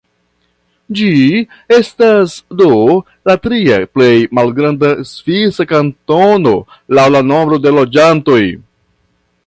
Ĝi estas do la tria plej malgranda svisa kantono laŭ la nombro de loĝantoj.